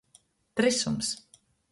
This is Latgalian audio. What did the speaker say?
Trysums.